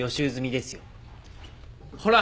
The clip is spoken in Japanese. ほら！